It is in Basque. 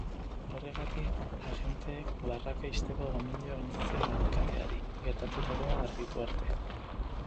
Horregatik, agenteek barraka ixteko gomendioa egin zion alkateari, gertatutakoa argitu arte.